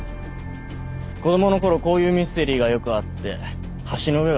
子供の頃こういうミステリーがよくあって橋の上が舞台だった。